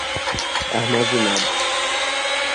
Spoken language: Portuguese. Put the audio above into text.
armazenados